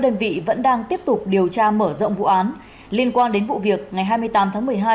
đơn vị vẫn đang tiếp tục điều tra mở rộng vụ án liên quan đến vụ việc ngày hai mươi tám tháng một mươi hai